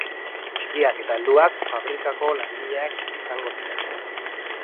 Txikiak eta helduak fabrikako langileak izango dira.